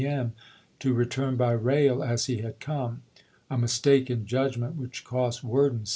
m., to return by rail as he had "Galaxy/' como ; a mistake in judgment which cost Worden Jan.